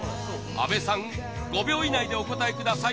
阿部さん５秒以内でお答えください